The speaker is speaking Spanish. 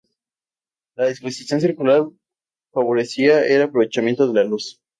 La disposición circular favorecía el aprovechamiento de la luz.